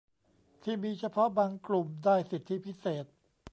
ที่มีเฉพาะบางกลุ่มได้สิทธิพิเศษ